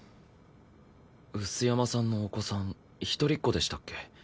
碓山さんのお子さん一人っ子でしたっけ？